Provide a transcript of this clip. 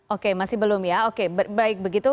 oke masih belum ya oke baik begitu